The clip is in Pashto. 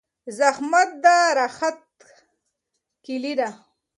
زحمت د راحت کیلي ده.